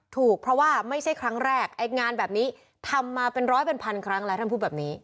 ถูกเพราะว่าไม่ใช่ครั้งแรกไอ้งานแบบนี้ทำมาเป็นร้อยเป็นพันครั้งแล้วท่านพูดแบบนี้